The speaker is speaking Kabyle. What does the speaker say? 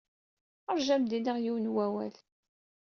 Ṛju ad am-iniɣ yiwen n wawal.